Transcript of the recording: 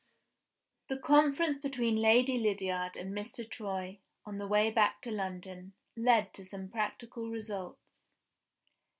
THE conference between Lady Lydiard and Mr. Troy, on the way back to London, led to some practical results.